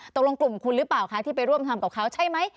กลุ่มคุณหรือเปล่าคะที่ไปร่วมทำกับเขาใช่ไหม